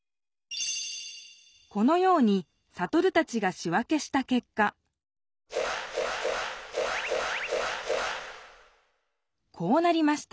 このようにサトルたちがし分けしたけっかこうなりました。